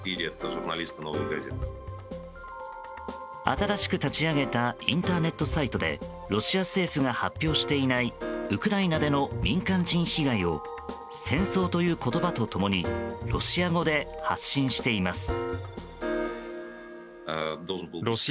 新しく立ち上げたインターネットサイトでロシア政府が発表していないウクライナでの民間人被害を戦争という言葉と共にロシア語で発信しています。